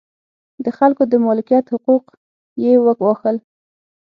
د خلکو د مالکیت حقوق یې وګواښل.